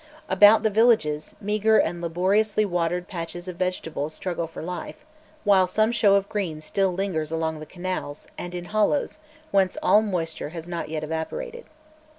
About the villages, meagre and laboriously watered patches of vegetables struggle for life, while some show of green still lingers along the canals and in hollows whence all moisture has not yet evaporated.